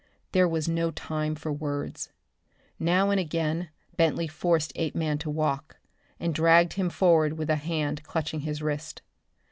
There was no time for words. Now and again Bentley forced Apeman to walk, and dragged him forward with a hand clutching his wrist.